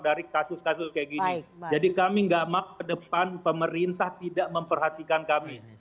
dari kasus kasus kayak gini jadi kami enggak mau ke depan pemerintah tidak memperhatikan kami